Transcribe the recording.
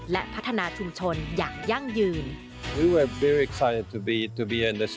และพัฒนาชุมชนอย่างยั่งยืน